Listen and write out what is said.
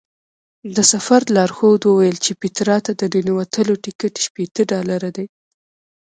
د سفر لارښود وویل چې پیترا ته د ننوتلو ټکټ شپېته ډالره دی.